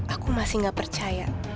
aku masih nggak percaya